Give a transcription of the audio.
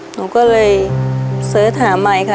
หนูก็เลยเสิร์ชหาไมค์ค่ะ